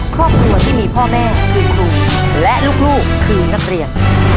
ครอบครัวที่มีพ่อแม่คือครูและลูกคือนักเรียน